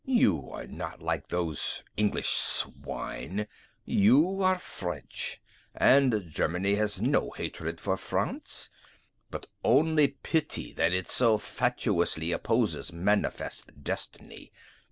You are not like those English swine. You are French; and Germany has no hatred for France, but only pity that it so fatuously opposes manifest destiny.